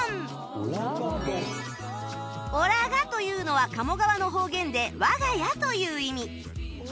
「おらが」というのは鴨川の方言で我が家という意味